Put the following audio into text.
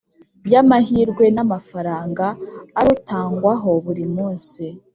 y amahirwe n amafaranga arutangwaho buri munsi